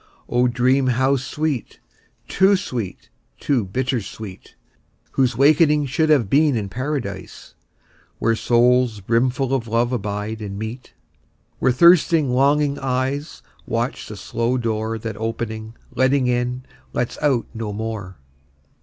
O dream how sweet, too sweet, too bitter sweet, Whose wakening should have been in Paradise, Where souls brimful of love abide and meet; Where thirsting longing eyes Watch the slow door That opening, letting in, lets out no more.